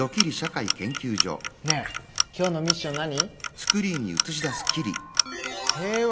ねえ今日のミッション何？